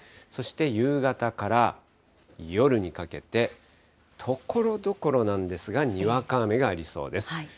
そして夕方から夜にかけて、ところどころなんですが、にわか雨がありそうです。